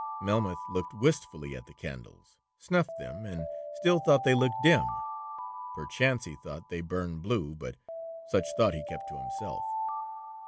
Melmoth looked wistfully at the candles, snuffed them, and still thought they looked dim, (perchance he thought they burned blue, but such thought he kept to himself.)